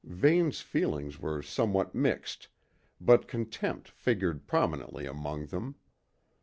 Vane's feelings were somewhat mixed, but contempt figured prominently among them.